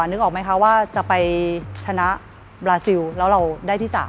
นึกออกไหมคะว่าจะไปชนะบราซิลแล้วเราได้ที่๓